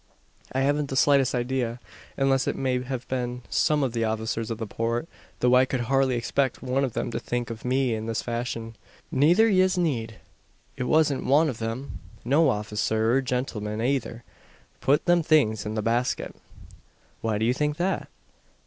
"I haven't the slightest idea; unless it may have been some of the officers of the Port; though I could hardly expect one of them to think of me in this fashion." "Nayther yez need. It wasn't wan av them. No officer, or gintleman ayther, phut them things in the basket." "Why do you think that?"